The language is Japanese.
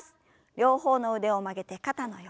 両方の腕を曲げて肩の横。